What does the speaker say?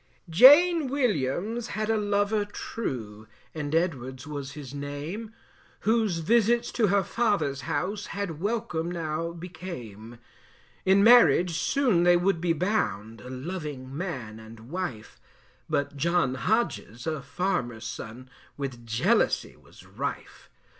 Jane Williams had a lover true And Edwards was his name, Whose visits to her father's house, Had welcome now became. In marriage soon they would be bound, A loving man and wife, But John Hodges, a farmer's son, With jealousy was rife.